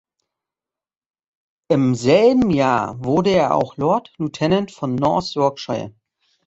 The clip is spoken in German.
Im selben Jahr wurde er auch Lord Lieutenant von North Yorkshire.